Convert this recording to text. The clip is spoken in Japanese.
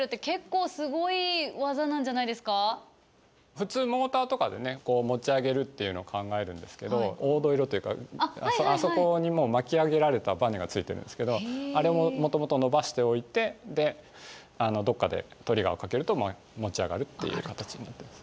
普通モーターとかでね持ち上げるっていうの考えるんですけど黄土色っていうかあそこにもう巻き上げられたバネがついてるんですけどあれももともと伸ばしておいてでどっかでトリガーをかけると持ち上がるっていう形になってます。